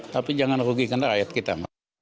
tapi jangan rugikan rakyat kita